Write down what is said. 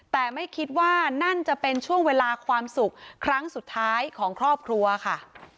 แต่ไม่คิดว่านั่นจะเป็นช่วงเวลาความสุขครั้งสุดท้ายของครอบครัวค่ะ